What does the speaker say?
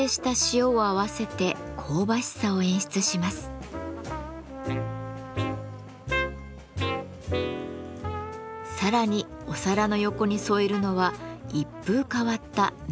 さらにお皿の横に添えるのは一風変わったメキシコ産の塩。